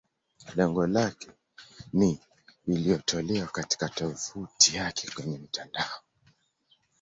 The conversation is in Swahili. Lengo lake ni iliyotolewa katika tovuti yake kwenye mtandao.